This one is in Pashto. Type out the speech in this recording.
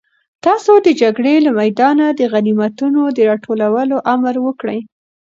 تاسو د جګړې له میدانه د غنیمتونو د راټولولو امر وکړئ.